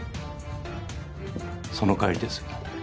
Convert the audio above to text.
その帰りです